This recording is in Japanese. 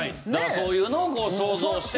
そういうのをこう想像して。